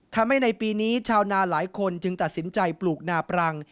ทำให้ในปีนี้ชาวนาหลายคนจึงตัดสินใจปลูกนาปรัง